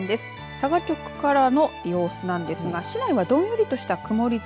佐賀局からの様子なんですが市内はどんよりとした曇り空。